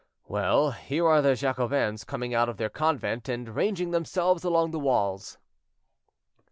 "Well! here are the Jacobins coming out of their convent, and ranging themselves along the walls."